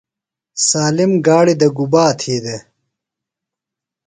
سالم گاڑیۡ دےۡ گُبا تھی دےۡ؟